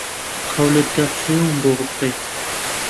قەولت دا شێوم بۆ بکڕی